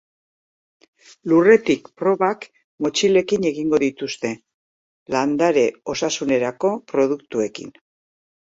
Lurretik probak motxilekin egingo dituzte, landare-osasunerako produktuekin.